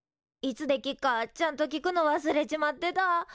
いつ出来っかちゃんと聞くの忘れちまってた。